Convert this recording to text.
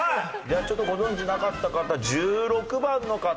ちょっとご存じなかった方１６番の方。